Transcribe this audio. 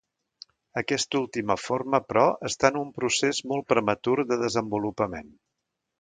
Aquesta última forma, però, està en un procés molt prematur de desenvolupament.